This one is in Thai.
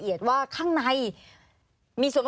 มีความรู้สึกว่ามีความรู้สึกว่า